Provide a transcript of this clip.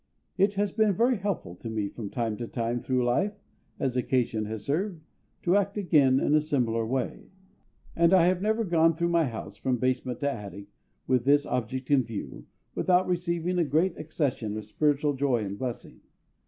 It has been very helpful to me from time to time through life, as occasion has served, to act again in a similar way; and I have never gone through my house, from basement to attic, with this object in view, without receiving a great accession of spiritual joy and blessing.